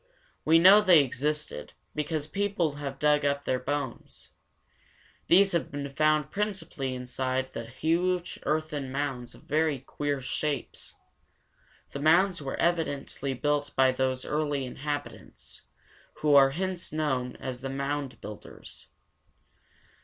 We know they existed, because people have dug up their bones. These have been found principally inside huge earthen mounds of very queer shapes. The mounds were evidently built by those early inhabitants, who are hence known as the mound builders.